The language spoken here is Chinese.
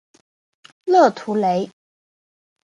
勒图雷。